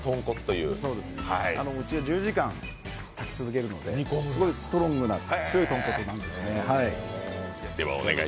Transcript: １０時間炊き続けるので、すごいストロングな強い豚骨になってます。